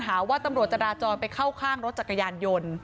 หาว่าตำรวจจราจรไปเข้าข้างรถจักรยานยนต์